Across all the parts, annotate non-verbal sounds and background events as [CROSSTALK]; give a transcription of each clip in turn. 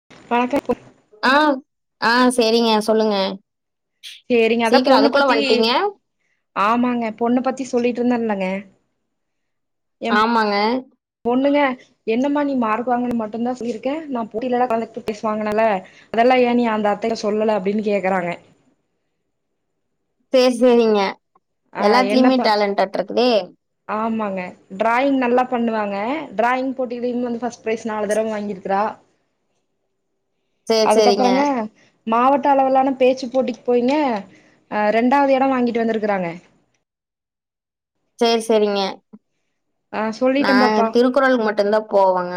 [UNINTELLIGIBLE] ஆ ஆ சேரிங்க சொல்லுங்க சேரிங்க அதா சீக்கிரம் பொண்ணுப் அதுக்குள்ள பத்தி வந்ட்டீங்க? ஆமாங்க பொண்ணு பத்தி சொல்லிட்டுருந்தல்லங்க ஆமாங்க பொண்ணுங்க என்னமா நீ மார்குவாங்கன்னு மட்டுந்தான் சொல்லியிருக்கே நா போட்டில கலத்துக்ட்டு பிஸ் வாங்கனல்ல அதெல்லா ஏன் நீ அந்த அத்தைக சொல்லல அப்டின்னு கேக்கறாங்க பேசறீங்க ஆ என்னப்பா ஆமாங்க டிராயிங் நல்லா பண்ணுவாங்க டிராயிங் போட்டிலயு வந்து பஃர்ஸ்ட் ப்ரைஸ் நாலு தடவ வாங்கிருக்குறா சரி, சரிங்க. அதுக்கப்பறங்க மாவட்ட அளவுலான பேச்சுப் போட்டிக்கு போயிங்க ஆ ரெண்டாவது எடொ வாங்கிட்டு வந்துருக்குறாங்க சேரி சேரிங்க ஆ சொல்லிட்டே பாப்பா நாந் திருக்குறள் மட்டுந்தா போவங்க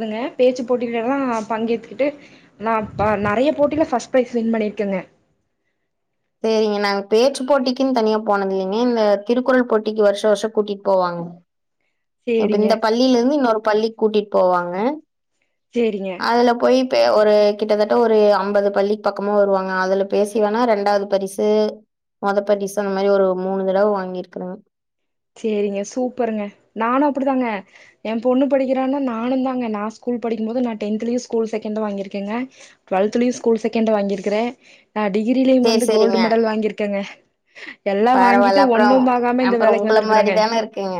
துங்க பேச்சு போட்டிலல்லாம் பங்கேத்துக்கிட்டு நா ப நெறைய போட்டில ஃபஸ்ட் ப்ரைஸ் வின் பண்ணிருக்கங்க சேரிங்க நாங்க பேச்சு போட்டிக்குன்னு தனியா போனதில்லைங்க இந்த திருக்குறள் போட்டிக்கு வருஷ வருஷோ கூட்டிட் போவாங்க இப்ப சேரிங்க இந்த பள்ளியில இருந்து இன்னொரு பள்ளிக்கு கூட்டிட் போவாங்க சேரிங்க அதுல போய் ப்பே ஒரு கிட்டத்தட்ட ஒரு அம்பது பள்ளிக் பக்கமு வருவாங்க அதுல பேசி வேணா ரெண்டாவது பரிசு மொத பரிசு அந்த மாரி ஒரு மூணு தடவ வாங்கிருக்குறங்க சேரிங்க சூப்பருங்க நானு அப்படிதாங்க என் பொண்ணு படிக்கிறான்னு நானு தாங்க நா ஸ்கூல் படிக்கும் போது நா டென்துதுலயு ஸ்கூல் செகண்ட் வாங்கியிருக்கேங்க டுவெல்துலயு ஸ்கூல் செகண்ட் வாங்கியிருக்குறே நா டிகிரிலயு சேரி வந்து கோல்டு சேரிங்க. மெடல் வாங்கியிருக்கங்க எல்லா வாங்கிட்டு பரவால்ல. ஒண்ணு அப்புறம் பாங்காம இந்த அப்புறம் வேலைக் உங்கள மாரி வந்திருக்கிறங்க தான இருக்குங்க.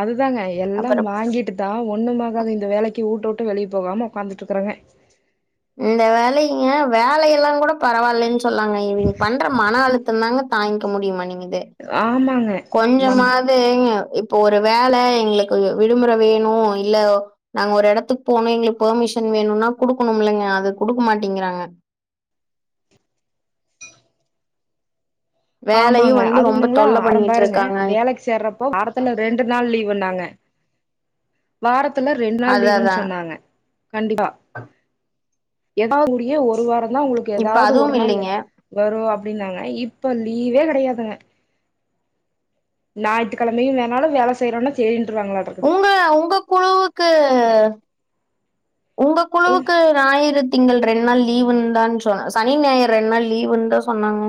அதுதாங்க எல்லா அப்புறம் வாங்கிட்டு தான் ஒண்ணுமாகாது இந்த வேலைக்கு ஊட்ட உட்டு வெளிய போகாம ஒக்காந்துட்ருக்கறங்க இந்த வேலைங்க வேலையெல்லாங்குட பரவால்லன் சொல்லாங்க இவிங் பண்ற மன அழுத்தந்தாங்க தாங்க்க முடியமாட்டிங்கி து‌ ஆமாங்க நம் கொஞ்சமாது இப்போ ஒரு வேல எங்ளுக்கு விடுமுற வேணு இல்ல நாங்க ஒரு எடத்துக் போனு எங்ளுக் பெர்மிஷன் வேணுனா குடுக்கணும்லங்க அது குடுக்க மாட்டெங்கிறாங்க ஆமாங்க வந்து அது ரொம்ப ஒண்ணுங்ளா தொல்ல பண்ணிட்டு அப்றம்பாருங்க இருக்காங்க. வேலக்கு சேர்றப்போ வாரத்துல ரெண்டு நாள் லீவுன்னாங்க வாரத் துல ரெண் நாள் அதான் லீவுன் அதான். சொன்னாங்க கண்டிப்பா [UNINTELLIGIBLE] ஒரு வார ந்தா உங்ளுக்கு இப்ப எதாவ்து ஒரு அதுவும் நாளு இல்லைங்க. வரு அப்டின்னாங்க இப் லீவே கடையாதுங்க ஞாயித்திகழமையு வேணாலு வேல செய்றோன்னா சேரின் உங்க உங்க குழுவுக்கு அ உங்க ம் குழுவுக்கு நாயிறு திங்கள் ரெண் நாள் லீவுன்ந்தான் சொன்ன சனி ஞாயர் ரெண் நாள் லீவுன் தா சொன்னாங்க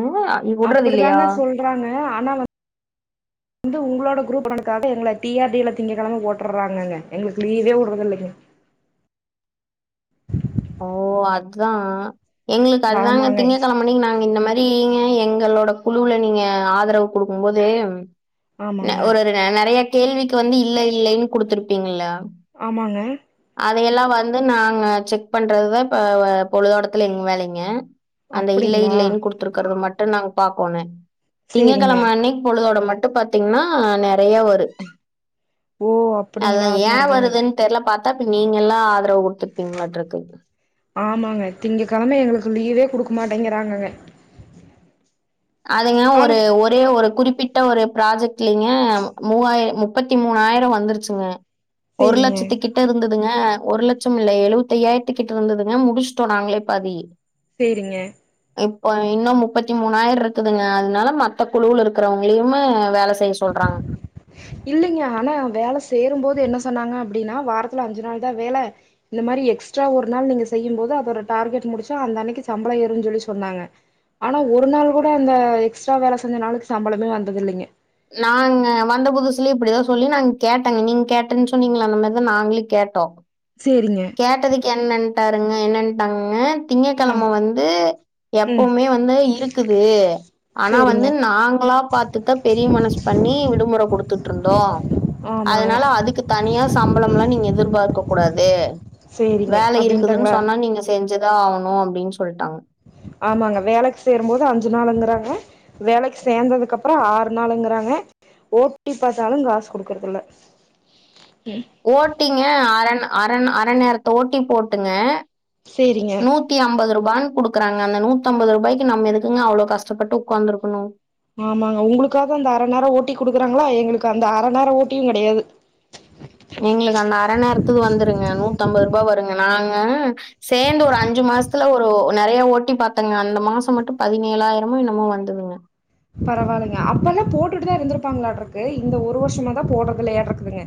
இ- விடுறது இல்லையா? அப்பிடிதானே சொல்றாங்க ஆனா வந் து உங்களோட குரூப் [UNINTELLIGIBLE] எங்கள டி ஆர் டி ல திங்ககெழம போட்டுர்றாங்கங்க எங்ளுக்கு லீவே வுட்றதில்லங்க ஓ அதுதா எங்ளுக்கு அதுதாங்க ஆமாங்க திங்ககெழமன்னக்கி நாங்க இந்த மாரி நீங்க எங்களோட குழுவுல நீங்க ஆதரவு குடுக்கும் போது ந ஆமாங்க ஒருருன நெறைய கேள்விக்கு வந்து இல்ல இல்லைன் குடுத்துருப்பீங்கல்ல ஆமாங்க அதையெல்லாம் வந்து நாங்க செக் பண்றதுதா இப்ப வ பொழுதோட்டத்துல எங்க வேலைங்க அந்த இல்லை அப்டிங்களா இல்லைனு குடுத்துருக்கறத மட் டு நாங் பாக்கோனெ சேரிங்க திங்ககெழம அன்னைக் பொழுதோட மட் டு பாத்தீங்னா நெறைய வரு ஓ அதா அப்டிங்களா ஏ அதனால தாங்க வருதுன் தெர்ல பாத் தாப்ப நீங்கெல்லா ஆதரவு குடுத்துருப்பீங்ளாட்ருக்கு ஆமாங்க திங்க கெழம எங்ளுக்கு லீவே குடுக்க மாட்டேங்கிறாங்கங்க அதுங்க ஆனா ஒரு ஒரே ஒரு குறிப்பிட்ட ஒரு ப்ராஜெக்ட்லைங்க மூவாய முப்பத்தி மூணாயிரொ வந்துருச்சுங்க ஒரு சேரிங்க லட்சத்துக்கிட்டருந்து ங்க ஒரு லச்சம் இல்லை எழுவத்தையாயிரத்துக்கிட்டருந்ததுங்க முடுச்ட்டோ நாங்களே பாதி செரிங்க இப்ப இன்னும் முப்பத்தி மூனாயிர்ருக் துங்க அதனால மத்த குழு இருக்கிறவங்களையுமே வேல இல்லைங்க ஆனா வேல சேரும்போ து என்ன சொன்னாங்க அப்டின்னா வாரத்துல அஞ்சு நாள் தா வேல இந்த மாரி எக்ஸ்ட்ரா ஒரு நாள் நீங்க செய்யும்போது அதோட டார்கெட் முடிச்சா அந்த அன்னனிக்கு சம்பளம் ஏறுன்னு சொல்லி சொன்னாங்க ஆனா ஒரு நாள் கூட அந்த எக்ஸ்ட்ரா வேல செஞ்ச நாளுக்கு சம்பளமே வந்ததுதில்லங்க நாங்க வந்த புதுசுலயே இப்டிதான் சொல்லி நாங்க கேட்டங்க நீங்க கேட்டன்னு சொன்னிங்களாம் அந்த மாதிரிதா நாங்களும் கேட்டோ சேரிங்க கேட்டதுக்கு என்னன் டாருங்க என்னாட்டாங்கங்க ஆ திங்ககிழம வந்து ம் எப்பவுமே வந்து இருக்குது ஆனா சேரிங்க வந்து நாங்களா பாத்து தா பெரிய மனசு பண்ணி விடுமுறை கொடுத்துட்டுருந்தோ ஆமாங்க அதனால அதுக்கு தனியா சம்பளம்ல்லா நீங்க எதிர்பா க்க கூடாது சேரிங்க வேல இருக்குதுன்னு அப்டின்ட்டாங்களா சொன்னா நீங்க செஞ்ச ஆகுனு அப்டின் சொல் ஆமாங்க வேலைக்கு சேரும்போது அஞ்சு நாளுங்கிறாங் வேலைக்கு சேர்ந்ததுக்கப்றம் ஆறு நாளுங்கறாங்க ஓட்டி பாத்தாலு காசு கொடுக்கறதல ஓட்டிங்க அரண் அரண் அ நேரத்த ஓட்டி போட்டுங்க சேரிங்க நூத்தி அம்பது ரூ வா குடுக்குறாங்க அந்த நூத்தம்பதுரூபாய்க்கு நம்ம எதுக்குங்க அவ்ளோ கஷ்டப்பட்டு உக்காந்துருக்கணு ஆமாங்க உங்களுக்காவது அந்த அர நேரோ ஓட்டி குடுக்குறாங்களா எங்களுக்கு அந்த அரை நேரம் ஓட்டியும் கெடையாது எங்களுக்கு அந்த அர நேரத்துகு வந்துருங்க நூத்தம்பது பா வருங்க நாங்க சேந்து ஒரு அஞ்சு மாசத்துல ஒரு நிறைய ஓட்டி பாத்தங்க அந்த மாச மட்டும் பதினேழாயிரமொ என்னமொ வந்ததுங்க பரவாயில்லைங்க அப்பல்லா போட்டுட்டுதா இருந்திருப்பாங்களாடுருக்கு இந்த ஒரு வருஷமா தா போடுறதில்லையாட்டுக்குதுங்க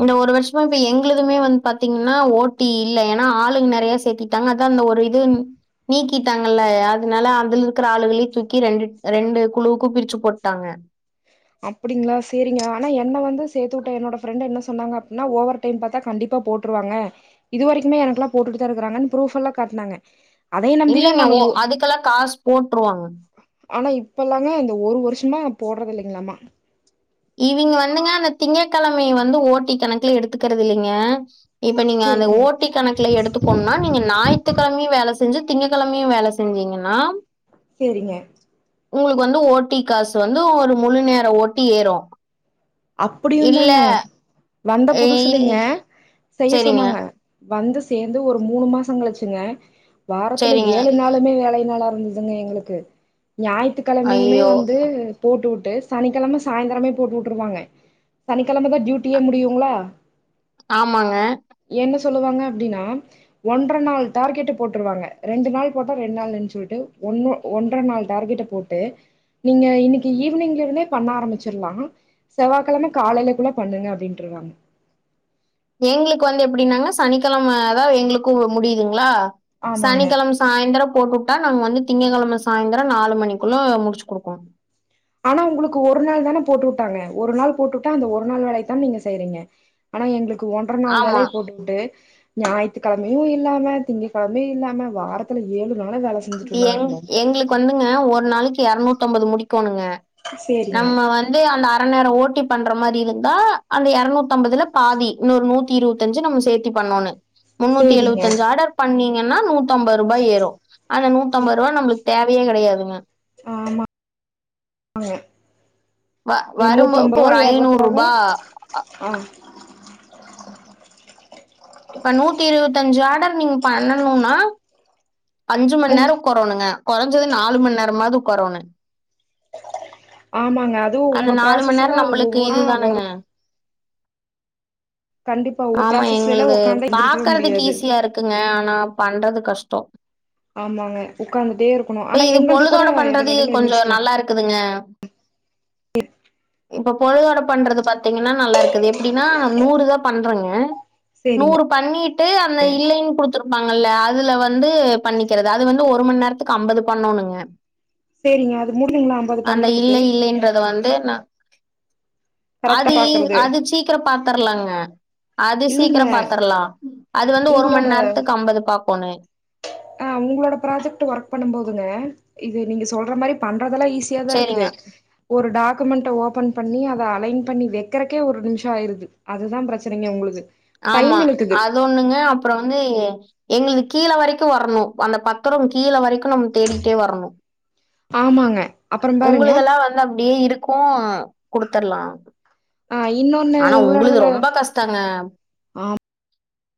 இந்த ஒரு வருஷமா இப்ப எங்களுதுமே வந்து பாத்தீங்கன்னா ஓட்டி இல்ல ஏன்னா ஆளு நிறைய சேத்திட்டாங்க அதான் அந்த ஒரு இது நீக்கிட்டாங்கல்ல அதனால அதுல இருக்கிற ஆளுகளே தூக்கி ரெண்டு ரெண்டு குழுவுக்கு பிரிச்சு போட்டாங்க அப்டிங்களா செரிங்க ஆனா என்ன வந்து சேர்த்துட்ட என்னோட ஃப்ரெண்ட் என்ன சொன்னாங்க அப்டின்னா ஓவர் டைம் பாத்தா கண்டிப்பா போட்டுருவாங்க இது வரைக்குமே எனக்கெல்லா போட்டுட்டு தா இருக்கறாங்கன்னு ப்ரூஃப்ல்லா காட்டனாங்க இல்லைங்க ஓ அதுக்கெல்லாம் காசு போட்டுருவாங்க ஆனா இப்பல்லாம்ங்க இந்த ஒரு வருஷமா போடுறதில்லங் ல்லமா இவங்க வந்துங்க அந்த திங்க கிழமைய வந்து ஓட்டி கணக்குல எடுத்துக்கறதில்லைங்க இப்ப நீங்க அந்த சேரிங்க ஓட்டி கணக்குல எடுத்துக்கோம்னா நீங்க ஞாயி்றுக்கிழமையும் வேல செய் செஞ்சு திங்க கிழமையும் வேல செஞ்சீங்கன்னா செரிங்க உங்களுக்கு வந்து ஓட்டி காசு வந்து ஒரு முழு நேர ஓட்டி ஏறு அப்டியும்ந்தாங்க வந்த எ புதுசுலிங்க இல் செய்ய சரிங்க, சொன்னாங்க வந்து சேர்ந்து ஒரு மூணு மாச கழிச்சுங்க வாரத்துல சரிங்க. ஏழு நாளுமே வேலை நல்லா இருந்ததுங்க எங்களுக்கு ஞாயித்துக்கெளமையுமே ஐயய்யோ! வந்து போட்டு விட் ட்டு சனிக்கெளம சாய்ந்தரமே போட்டு உட்ருவாங்க சனிக்கெளமதா டியூட்டியே முடியுங்களா ஆமாங்க என்ன சொல்லுவாங்க அப்டின்னா ஒன்ற நாள் டார்கெட்டு போட்ருவாங்க ரெண்டு நாள் போட்டா ரெண்டு நாள் நெனச்சிக்கிட்டு ஒன்னு ஒன்ற நாள் டார்கெட்ட போட்டு நீங்க இன்னிக்கு ஈவினிங்லருந்தே பண்ண ஆரம்பிச்சிர்லா செவ்வாய்க்கெளம காலைலக்குள்ள பண்ணுங்க அப்டின்ட்டுருவாங்க எங்குளுக்கு வந்து எப்படின்னாங்க சனிக்கெளம அதா எங்களுக்கும் முடிதுங்களா ஆமாங்க. சனிக்கெளம சாய்ந்தரொ போட்டுட்டா நாங்க வந்து திங்கக்கெளம சாய்ந்தரொ நாலு மணிக்குள்ள முடிச்சு குடுக்கணு ஆனா உங்குளுக்கு ஒரு நாள் தான போட்டு உட்டாங்க ஒரு நாள் போட்டு உட்டா அந்த ஒரு நாள் வேலைய தா நீங்க செய்றீங்க ஆனா எங்களுக் க்கு ஒன்ற நாள் ஆமா. வேலைய போட்டு உட்டு ஞாயித்துக்கெழமையு இல்லாம திங்க கெழமையு இல்லாம வாரத்துல ஏலு எங் எங்களுக்கு வந்துங்க ஒரு நாளைக்கு எறநூத்தம்பது முடிக் கோணுங்க சேரிங்க, நம்ம வந்து அந்த அரநேரொ ஓட் ஓட்டி பண்ற மாரி இருந்தா அந்த எரநூத்தம்பதுல பாதி இன்னொரு நூத்தி இருவத்தஞ்சு நம்ம சேத்தி பண்ணோனு முன்னூத்தி சேரிங்க. எலுவத்தஞ்சு ஆடர் பண்ணி ஏன்னா நூத் த்தம்பது ரூபா ஏறும் அந்த சே நூத்தம்பது ருவா நம்ளுக் தேவையே கெடையாதுங்க ஆமா ஆ வ வரும்போ இப்போ ஒரு ஐநூறு ரூபா அ ஆ அ [INAUDIBLE] இப்ப நூத்தி இருவத்தஞ்சு ஆடர் நீங்க பண்ணணுன்னா அஞ்சு மணி முன் நேரம் உக்காரனுங்க கொறஞ்சது நாலு மணி நேரமாவது கொரோனு ஆமாங் அதுவு அந்த உங்க மணி ப்ராசஸ் எல்லா நேரம் அது நம்மளுக்கு ஒவ்வொனா இதுதானங்க. ஆகாது உங்க ஆமா ப்ராசஸ்லல்லா எங்களது உக்காந்தா எந்திரிக்கவே பாக்குறதுக்கு முடியாது ஈஸியா இருக்குங்க நா பண்றது கஷ்டொ ஆமாங்க உக்காந்துட்டே இருக்கணு இப்ப ஆனா இது எங்கள்து கூட பொழுதோட எடைல பண்றது எடைல கொஞ்சம் எந்திரிச்சுக்கலா நல்லா இருக்குதுங்க. ர் இப்ப பொழுதோட பண்றது பாத்தீங்கன்னா நல்லா இருக்குது எப்டின்னா நூறு தான் பண்றேங்க சேரிங்க நூறு பண்ணிட்டு அந்த இல்லைன்னு குடுத்துரு பாங்கல்ல அதுல வந்து பண்ணிக்கிறது அது வந்து ஒரு மண்ணேரத்துக்கு அம்பது பண்ணோனுங்க சேரிங்க அது முடுலீங்ளா அம்பது பண்றத்துக்கு து வந்து நா கரெக்டா அது ஈ பாக்குறது அது சீக்கிர பாத்தர்லாங்க அது இல்லைங்க சீக்கிரொ பாத்தர்லா அது வந்து ஒரு உங்களோட மண் நேரத்துக்கு அம்பது பாக்கோணு ஆ உங்ளோட ப்ராஜக்ட்டு ஒர்க் பண்ணும் போதுங்க இது நீங்க சொல்ற மாரி பண் றதெல்லா ஈஸியா தா சரிங்க. இருக்குது ஒரு டாக் குமெண்ட்ட ஓபன் பண்ணி அத அலைன் பண்ணி வக்கிறக்கே ஒரு நிம்ஷொ ஆயிருது அதுதா பிரச்சனைங்க உங்களுகு ஆமா அது ஒண்ணுங்க அப்புறொ வந்து எங்ளுது கீழ வரைக்கு வர்ணு அந்த பத்திரம் கீழ வரைக்கு நம் தேடிக்ட்டே வர்ணு ஆமாங்க அப்புறம் பாருங்க உங்களுதெல்லா வந்து அப்டியே இருக்கூ குடுத்தர்லா ஆ இன்னொன்னு ஆனா உங்ளுது ரொம்ப கஷ்டங்க ஆ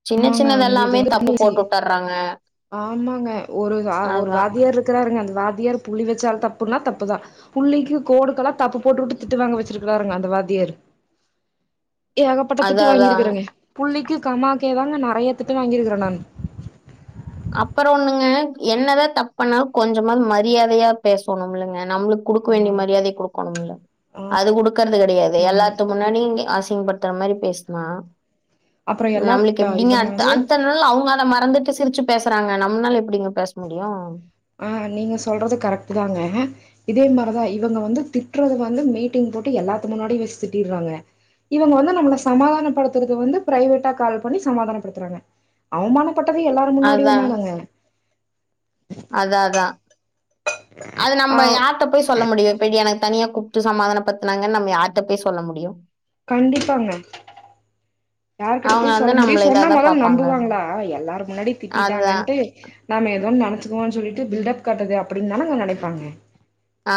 சின்ன சின்னதெல்லாமே தப்பு போட்டு உட்டர்றாங்க ஆமாங்க ஒரு வா ஒரு அதான். வாத்தியார் இருக்குறா ருங்க அந்த வாத்தியார் புள்ளி வச்சால் தப்புன்னா தப்புதா புள்ளிக்கு கோடுக்கல்லா தப்பு போட்டு வுட்டு திட்டு வாங்க வச்சிருக்குறாருங்க அந்த வாத்தியாரு ஏகப்பட்ட திட்டு அதான் அதான். வாங்கியிருக்கறங்க புள்ளி க்கு கமாக்கேதாங்க நறைய திட்டு வாங்கியிருக்கிறே நானு அப்பறொ ஒன்னுங்க என்னதா தப்பண்ணாலு கொஞ்சமாது மரியாதையா பேசொணும்ல்லங் க நம்ளுக் குடுக்க வேண்டிய ஆமாங்க மரியாதை குடுக்கணும்ல அது குடுக்கற்து கெடையாது ஆமாங்க எல்லாத்து முன்னாடி அ சிங்படுத்துற மாரி பேசுனா அப்புறம் எல்லா நம்ளுக்கு ப எப்டிங்க இவங்க அட்த வந்து அட்த்தநாள் அவுங்க அத ம வந்துட்டு சிரிச்சு பேசுறாங்க நம்னால எப்டிங்க ஆ நீங்க சொல்றது கரெக்ட்டு தாங்க இதே மாரிதா இவுங்க வந்து திட்றது வந்து மீட்டிங் போட்டு எல்லாத்து முன்னாடி வச்சு திட்டிட்றாங்க இவங்க வந்து நம்மள சமாதானப்படுத்ததுக்கு வந்து பிரைவேட்டா கால் பண்ணி சமாதானப்படுத்துறாங்க அவ்மான ப்பட்டது எல்லார் முன்னாடியுந்தானெங்க அதா அதா அது ஆ நம்ப யார்ட போய் சொல்ல முடியு இப்பிடி என தனியா கூப்ட்டு சமாதானப் பத்துனாங்கன் நம்ம யார்ட்ட போய் சொல்ல முடியு கண்டிப்பாங்க யார்கிட்ட அவங்க போய் வந்து சொல்ல முடியு நம்மள இதா சொன்னா தான் மொத பாப்பாங்க. நம்புவாங்ளா எல்லாருக்கு முன்னாடி அதுதான். திட்டிட்டாங்கன்ட்டு நாம எதோன்ன போனு சொல்லிட்டு பில்டப் காட்டுது அப்படின்னு தானங்க நெனப்பாங்க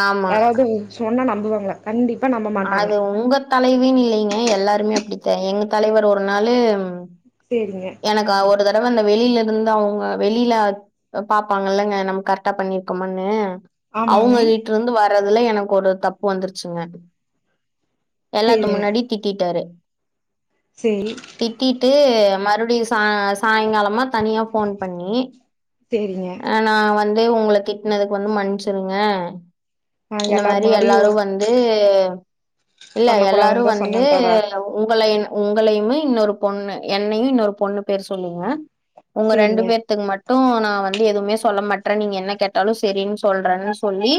ஆமா. யாராவது சொன்னா நம் வாங்களா கண்டிப்ப அது உங்க தலைவினுல்லைங்க எல்லாருமே அப்படித்தேன் எங்க தலைவரு ஒரு நாளு சேரிங்க. எனக்கா ஒரு தடவை அந்த வெளியில இருந்து இருந்து அவங்க வெளியில பாப்பாங்கல்லங்க நம்ம கரெக்டா பண்ணிருக்கோமனு ஆமாங்க. அவங்க வீட்டு இருந்து வர அதுல எனக்கு ஒரு தப்பு வந்துருச்சுங்க எல்லாதும் சேரிங்க. முன்னாடி திட்டிட்டார் சேரி. திட்டிட்டு அத [UNINTELLIGIBLE] அப்படி ச சாயங்காலமா தனியா போன் பண்ணி சேரிங்க உங்களை திட்டனதுக்கு வந்து மன்னிச்சுருங்க ஆ இந்த எல்லார் மாதிரி முன்னாடியு எல்லாரும் வந்து இல்ல பண்ண கூடாதுன்னு எல்லாரும் தா வந்து சொன்னேன்ட்டாரா உங்கள உங்களையுமே இன்னொரு பொண்ணு என்னையும் இன்னொரு பொண்ணு பேர் சொல்லீங்க உங்க ரெண்டு சேரிங்க பெத்துக்கு மட்டும் அப்பவும் நான் வ வந்து எதுவுமே சொல்ல மாட்டறேன் நீங்க என்ன கேட்டாலும் சேரின்னு சொல்றேன்னு சொல்லி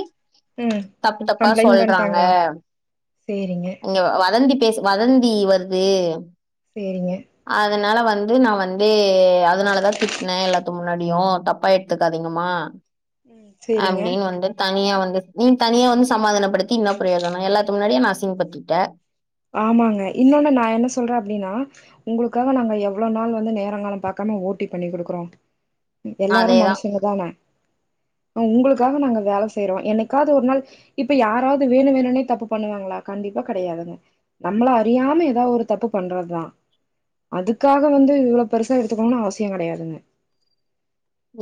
ம் தப்பு தப்பா கம்ப்ளைண்ட் சொல்றாங்க பண்ட்டாங்களா சேரிங்க இங்க வதந்தி பேசி வதந்தி வருது சேரிங்க அதனால வந்து வந்து நான் வந்து அதனாலதான் திட்டினேன் எல்லாத்து முன்னாடியும் தப் ப்பா எடுத்துக்காதீங்கமா ம் சேரிங்க அப்படின்னு வந்து தனியா வந்து நீ தனியா வந்து சமாதானப்படுத்தி இன்ன பிரயோஜனம் எல்லாத்து முன்னாடியும் என்ன அசிங்கப்படுத்திட்டஅ ஆமாங்க இன்னொன்னு நான் என்ன சொல்றேன் அப்படின்னா உங்களுக்காக நாங்க எவ்வளவு நாள் வந்து நேரங்காலம் பாக்காம ஓட்டி பண்ணி குடுக்குறோம் எல்லாரும் அதேதா மனுஷங்க தானே உங்களுக்காக நாங்க வேலை செய்யறோம் என்னைக்காவது ஒரு நாள் இப்ப யாராவது வேணும் வேணும்னே தப்பு பண்ணுவாங்களா கண்டிப்பா கிடையாதுங்க நம்மள அறியாம ஏதாவது ஒரு தப்பு பண்றதுதான் அதுக்காக வந்து இவ்வளவு பெருசா எடுத்துக்கோணும்னு அவசியம் கிடையாதுங்க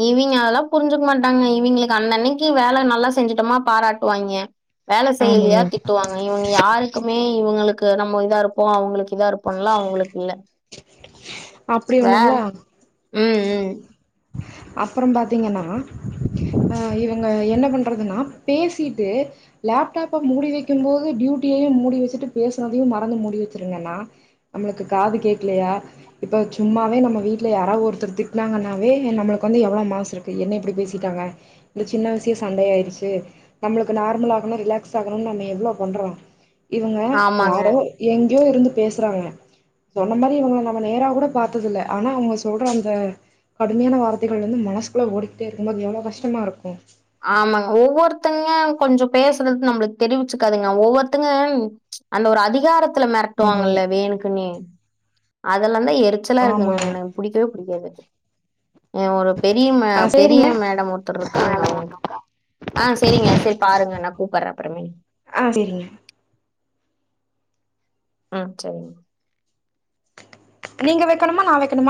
இவங்க அதெல்லாம் புரிஞ்சுக்க மாட்டாங்க இவங்களுக்கு அன்னனைக்கு வேலை நல்லா செஞ்சட்டோமா பாராட்டுவாய்ங்க வேலை ஆமாங்க செயலியா திட்டுவாங்க இவங்க யாருக்குமே இவங்களுக்கு நம்ம இதா இருப்போம் அவங்களுக்கு இதா இருப்போம்லாம் அவங்களுக்கு இல்ல [INAUDIBLE] வா ஒண்ணுங்களா உம் உம் அப்புறம் பாத்தீங்கன்னா இவங்க என்ன பண்றதுன்னா பேசிட்டு லேப்டப்ப மூடி வைக்கும் போது டியூட்டியையும் மூடி வச்சுட்டு பேசனதையும் மறந்து மடி வச்சிருங்கன்னா நம்மளுக்கு காது கேடக்கலையா இப்ப சும்மாவே நம்ம வீட்டுல யாராவது ஒருத்தர் திட்டுனாங்கன்னாவே நம்மளுக்கு வந்து எவ்வளோ மாஸ் இருக்கு என்ன இப்படி பேசிட்டாங்க இந்த சின்ன விஷயம் சண்டை ஆயிடுச்சு நம்மளுக்கு நார்மல் ஆகணும் ரிலாக்ஸ் ஆகணும்னு நம்ம எவ்வளோ பண்றோம் இவங்க ஆமாங்க யாரோ எங்க இருந்து பேசுறாங்க சொன்ன மாதிரி இவங்க நம்ம நேராக் கூட பார்த்ததுல ஆனா அவங்க சொல்ற அந்த கடுமையான வார்த்தை வந்து மனசுகுள்ளே ஓடிட்டே இருக்கும் போது எவ்வளோ கஷ்டமா இருக்கும் ஆமாங்க ஒவ்வொருத்தங்க கொஞ்சம் பேசுறது நம்மளுக்கு தெரிவிச்சுக்காதுங்க ஒவ்வொருத்தங்க அந்த ஒரு அதிகாரத்தை ஆமாங்க மிரட்டுவாங்கல்ல வேணுக்குன்னே அதெல்லாம் அதலாம் எரிச்சலா இருக்குங்க ஆமாங்க எனக்கு புடிக்கவே பிடிக்காது ஏ ஒரு பெரிய மே ஆ பெரிய சேரிங்க மேடம் ஒருத்தர்யிருகங்க அவுங் ஆ செரிங்க செரி பாருங்க நா கூப்புறேன் அப்புறமேல் ஆ சேரிங்க ஆஹம் செரிங்க நீங்க வெக்கணுமா நான் வெக்கணுமா